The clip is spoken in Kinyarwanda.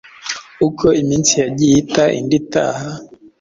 Uko iminsi yagiye ihita indi igataha,